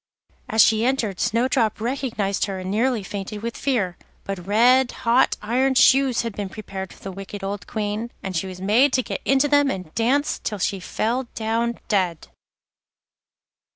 As she entered Snowdrop recognised her, and nearly fainted with fear; but red hot iron shoes had been prepared for the wicked old Queen, and she was made to get into them and dance till she fell down dead.